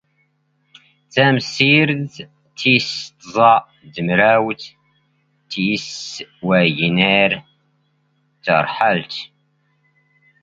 ⵜⴰⵎⵙⵙⵉⵔⴷⵜ ⵜⵉⵙ ⵜⵥⴰ ⴷ ⵎⵔⴰⵡⵜ ⵜⵉⵙ ⵡⴰⴳⵏⴰⵔ ⵜⴰⵔⵃⵃⴰⵍⵜ